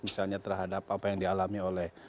misalnya terhadap apa yang dialami oleh